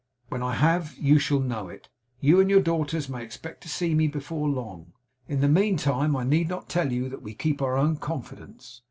When I have, you shall know it. You and your daughters may expect to see me before long; in the meantime I need not tell you that we keep our own confidence.